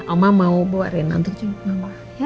oma mau bawa rena untuk junuk mama